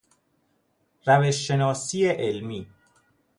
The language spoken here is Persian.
روش شناسی علمی